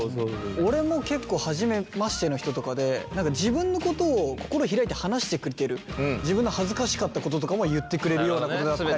俺も結構初めましての人とかで自分のことを心開いて話してくれてる自分の恥ずかしかったこととかも言ってくれるようなことだったりとか。